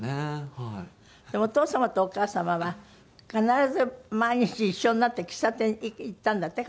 でもお父様とお母様は必ず毎日一緒になって喫茶店行ったんだって？